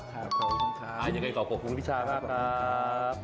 ขอบคุณครับขอบคุณพี่ชานะครับขอบคุณครับขอบคุณครับ